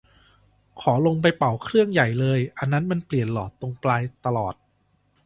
ขอลงไปเป่าเครื่องใหญ่เลย อันนั้นมันเปลี่ยนหลอดตรงปลายตลอด